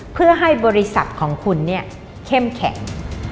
เพื่อให้บริษัทของคุณเนี่ยเข้มแข็ง